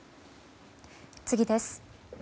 次です。